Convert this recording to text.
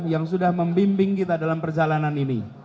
yang sudah membimbing kita dalam perjalanan ini